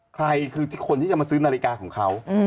ใครคือคนที่จะมาซื้อนาฬิกาของเขา